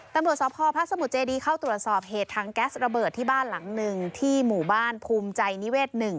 ตำรวจสพพระสมุทรเจดีเข้าตรวจสอบเหตุถังแก๊สระเบิดที่บ้านหลังหนึ่งที่หมู่บ้านภูมิใจนิเวศ๑